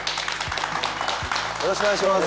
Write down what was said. よろしくお願いします。